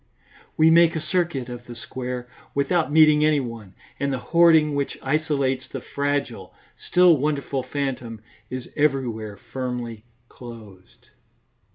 We make a circuit of the square without meeting anyone, and the hoarding which isolates the fragile, still wonderful phantom is everywhere firmly closed.